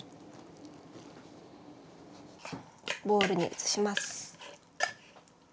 ボウルに移します。